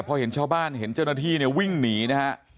พอเห็นชาวบ้านเห็นเจ้าหน้าที่เนี่ยวิ่งหนีนะฮะ